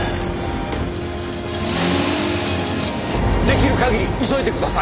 出来る限り急いでください。